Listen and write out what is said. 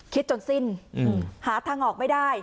คิดจนสิ้นหาทางออกไม่ได้